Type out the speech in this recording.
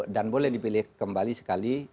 dan boleh dipilih kembali sekali